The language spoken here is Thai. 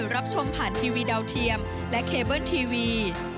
รับชมผ่านทีวีดาวเทียมและเคเบิ้ลทีวี